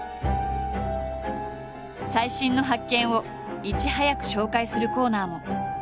最新の発見をいち早く紹介するコーナーも。